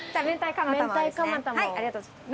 ありがとうございます。